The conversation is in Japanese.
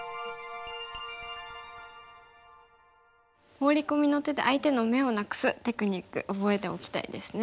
ホウリコミの手で相手の眼をなくすテクニック覚えておきたいですね。